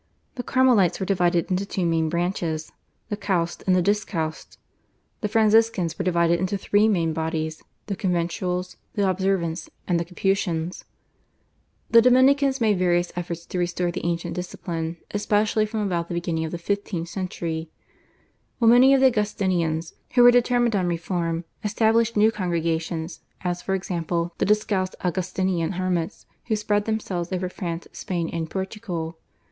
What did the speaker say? The Carmelites were divided into two main branches, the Calced and the Discalced; the Franciscans were divided into three main bodies, the Conventuals, the Observants, and the Capuchins; the Dominicans made various efforts to restore the ancient discipline especially from about the beginning of the fifteenth century; while many of the Augustinians who were determined on reform established new congregations, as for example, the Discalced Augustinian Hermits, who spread themselves over France, Spain, and Portugal.